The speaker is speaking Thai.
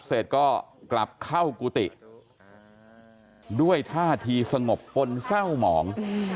แล้วเราก็ลับเข้ากุติด้วยท่าทีสงบพนเศร้าหมอง